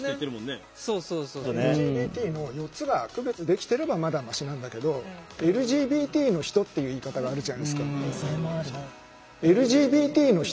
ＬＧＢＴの４つが区別できてればまだマシなんだけど「ＬＧＢＴの人」っていう言い方があるじゃないですか。